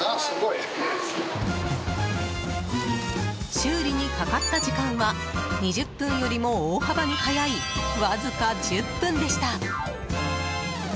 修理にかかった時間は２０分よりも大幅に早いわずか１０分でした。